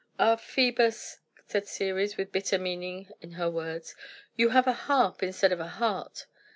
"Ah, Phœbus," said Ceres, with bitter meaning in her words, "you have a harp instead of a heart.